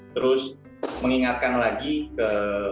terus mengingatkan lagi ke